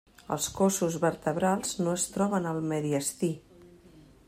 Els cossos vertebrals no es troben al mediastí.